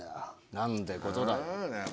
何てことだ。